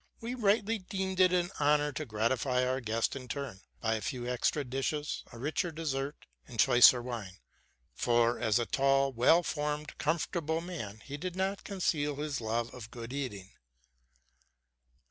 We rightly deemed it an honor to gratify our guest in return, by a few extra dishes, a richer dessert, and choicer wine; for, as a tall, well formed, comfortable man, he did not conceal his love of good eating.